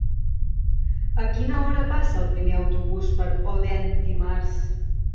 A quina hora passa el primer autobús per Odèn dimarts?